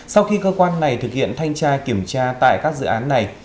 sau khi cơ quan này thực hiện thanh tra kiểm tra tại các dự án này